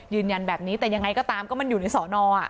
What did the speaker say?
ยืนยันแบบนี้แต่ยังไงก็ตามก็มันอยู่ในสอนอ